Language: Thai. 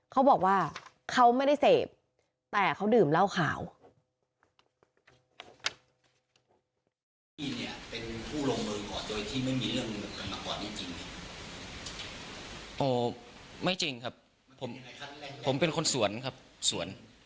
เขาบอกว่าเขาไม่ได้เสพแต่เขาดื่มเหล้าขาว